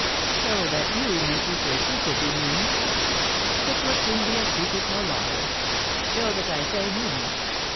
"So that you may keep your secret, you mean." "It will soon be a secret no longer. Job, as I say, knew me.